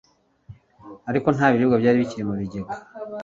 ariko nta biribwa byari bikiri mu bigega